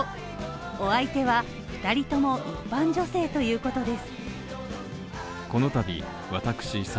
お相手は２人とも一般女性ということです。